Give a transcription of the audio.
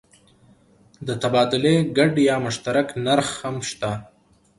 د تبادلې ګډ یا مشترک نرخ هم شته.